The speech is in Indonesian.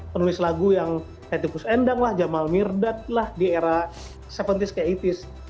penulis lagu yang hattie kusendang lah jamal mirdad lah di era tujuh puluh s ke delapan puluh s